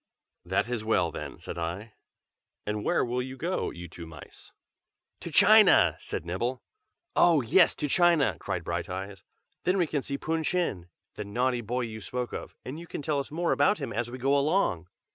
"That is well then," said I. "And where will you go, you two mice?" "To China!" said Nibble. "Oh! yes, to China!" cried Brighteyes. "Then we can see Pun Chin, the naughty boy you spoke of, and you can tell us more about him as we go along!"